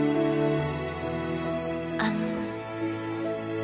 あの。